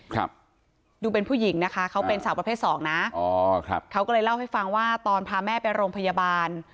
ครับดูเป็นผู้หญิงนะคะเขาเป็นสาวประเภทสองนะอ๋อครับเขาก็เลยเล่าให้ฟังว่าตอนพาแม่ไปโรงพยาบาล